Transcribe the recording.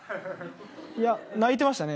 いや泣いてましたね